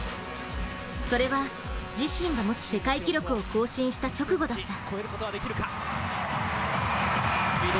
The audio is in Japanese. それは、自身が持つ世界記録を更新した直後だった。